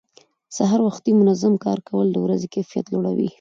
سهار وختي منظم کار کول د ورځې کیفیت لوړوي